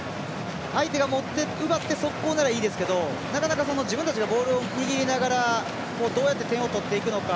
相手が持って奪って速攻ならいいですけどなかなか自分たちがボールを握りながらどうやって得点を取っていくのか